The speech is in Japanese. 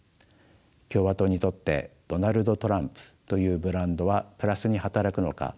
共和党にとって「ドナルド・トランプ」というブランドはプラスに働くのか